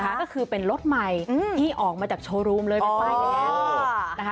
ก็คือเป็นรถใหม่ที่ออกมาจากโชว์รูมไปแล้ว